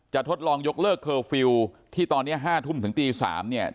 ทดลองยกเลิกเคอร์ฟิลล์ที่ตอนนี้๕ทุ่มถึงตี๓เนี่ย